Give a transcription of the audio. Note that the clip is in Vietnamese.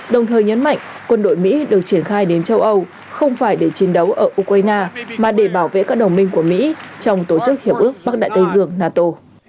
đồng thời nhấn mạnh quân đội mỹ được triển khai đến châu âu không phải để chiến đấu ở ukraine mà để bảo vệ các đồng minh của mỹ trong tổ chức hiệp ước bắc đại tây dương nato